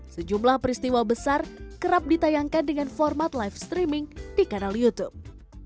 sejumlah peristiwa besar kerap ditayangkan dengan format live streaming di kanal youtube